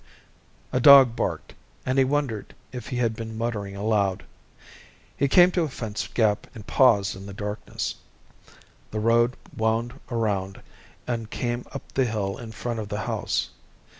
A dog barked, and he wondered if he had been muttering aloud. He came to a fence gap and paused in the darkness. The road wound around and came up the hill in front of the house.